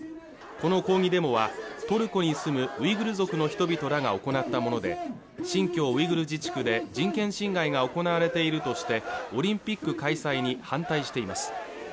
この抗議デモはトルコに住むウイグル族の人々らが行ったもので新疆ウイグル自治区で人権侵害が行われているとしてオリンピック開催に反対しています